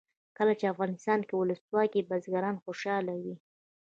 کله چې افغانستان کې ولسواکي وي بزګران خوشحاله وي.